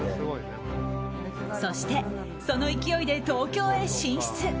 そして、その勢いで東京へ進出。